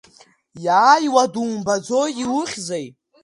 Иааиуа думбаӡои, иухьзеи?